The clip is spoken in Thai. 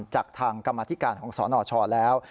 จากทางกรรมธิการของสนชแล้ว